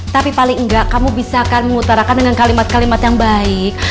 tapi paling enggak kamu bisa akan mengutarakan dengan kalimat kalimat yang baik